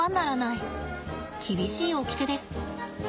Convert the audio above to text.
厳しいおきてです。